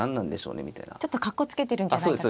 ちょっとかっこつけてるんじゃないかと。